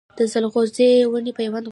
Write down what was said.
د ځنغوزي ونې پیوند غواړي؟